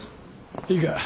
いいか。